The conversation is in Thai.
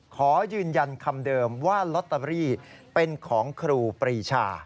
ขอยืนยันคำเดิมว่าลอตเตอรี่เป็นของครูปรีชา